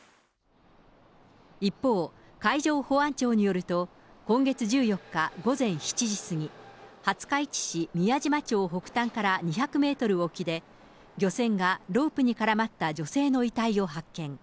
一方、海上保安庁によると、今月１４日午前７時過ぎ、廿日市市宮島町北端から２００メートル沖で漁船がロープに絡まった女性の遺体を発見。